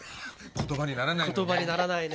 言葉にならないね。